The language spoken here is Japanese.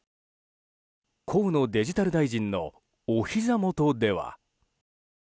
河野デジタル大臣のおひざ元では。